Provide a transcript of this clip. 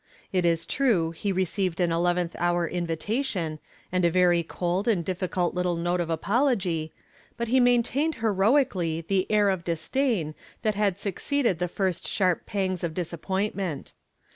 It is true he received an eleventh hour invitation and a very cold and difficult little note of apology, but he maintained heroically the air of disdain that had succeeded the first sharp pangs of disappointment.